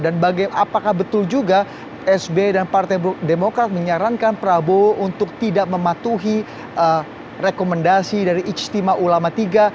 dan apakah betul juga sby dan partai demokrat menyarankan prabowo untuk tidak mematuhi rekomendasi dari ijtima ulama iii